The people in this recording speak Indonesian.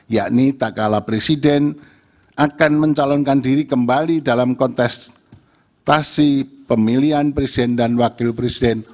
yakni tak kalah presiden akan mencalonkan diri kembali dalam kontestasi pemilihan presiden dan wakil presiden